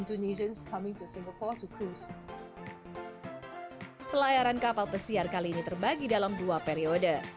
dan mengambil kapal kembali dari singapura